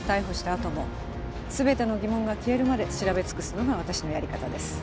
あとも全ての疑問が消えるまで調べ尽くすのが私のやり方です